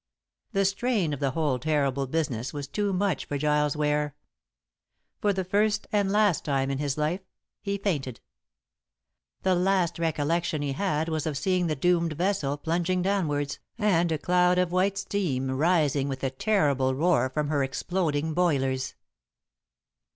The strain of the whole terrible business was too much for Giles Ware. For the first and last time in his life he fainted. The last recollection he had was of seeing the doomed vessel plunging downwards and a cloud of white steam rising with a terrible roar from her exploding boilers.